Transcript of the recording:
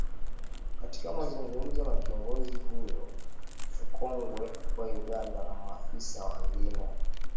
katika mazungumzo na kiongozi huyo mkongwe wa Uganda na maafisa wengine